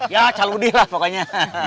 ya caludi lah pokoknya